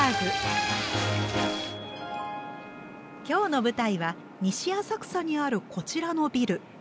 今日の舞台は西浅草にあるこちらのビル。